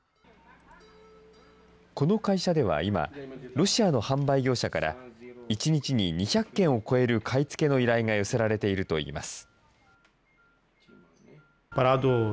この会社では今、ロシアの販売業者から、１日に２００件を超える買い付けの依頼が寄せられているといいま